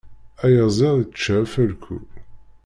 Ayaziḍ ičča afalku.